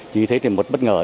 chỉ thế thì một bất ngờ